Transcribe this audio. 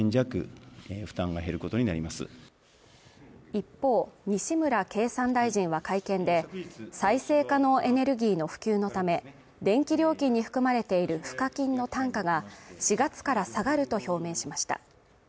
一方、西村経産大臣は会見で、再生可能エネルギーの普及のため、電気料金に含まれている賦課金の単価が４月から下がると表明しました。